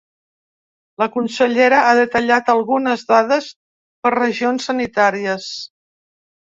La consellera ha detallat algunes dades per regions sanitàries.